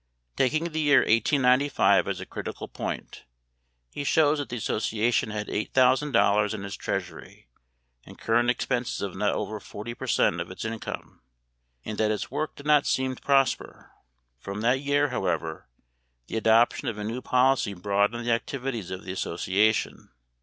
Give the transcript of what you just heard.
Taking the year 1895 as a critical point, he shows that the association had $8,000 in its treasury and current expenses of not over forty per cent. of its income, and yet that its work did not seem to prosper. From that year, however, the adoption of a new policy broadened the activities of the association.